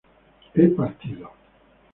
he partido